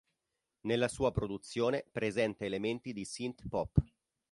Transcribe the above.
Nella sua produzione, presenta elementi di synth pop.